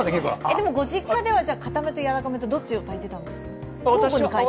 でも、ご実家ではかためとやわらかめどっちを炊いてたんですか。